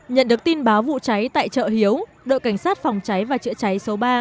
nhận được tin báo vụ cháy tại chợ hiếu đội cảnh sát phòng cháy và chữa cháy số ba